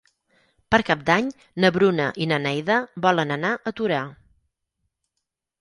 Per Cap d'Any na Bruna i na Neida volen anar a Torà.